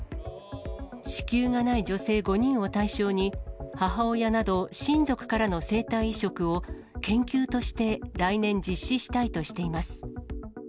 子宮がない女性５人を対象に、母親など親族からの生体移植を研究として来年、実施したいとしています。